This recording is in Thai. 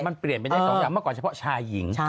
มันเปลี่ยนไปได้สองอย่างเมื่อก่อนเฉพาะชายหญิง